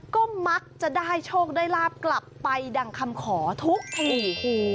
ก็มักจะได้โชคได้ลาบกลับไปดังคำขอทุกที